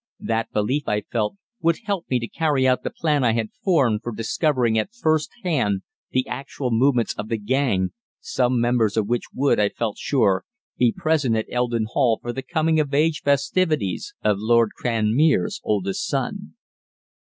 That belief, I felt, would help me to carry out the plan I had formed for discovering at first hand the actual movements of the gang, some members of which would, I felt sure, be present at Eldon Hall for the coming of age festivities of Lord Cranmere's eldest son.